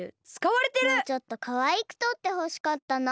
もうちょっとかわいくとってほしかったな。